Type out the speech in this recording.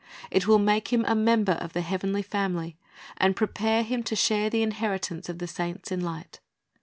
It will make him a member of the heavenly family, and prepare him to share the inheritance of the saints in light.